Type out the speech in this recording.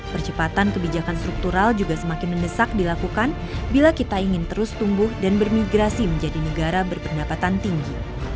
percepatan kebijakan struktural juga semakin mendesak dilakukan bila kita ingin terus tumbuh dan bermigrasi menjadi negara berpendapatan tinggi